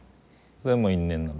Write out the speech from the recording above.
それはもう因縁なんだ。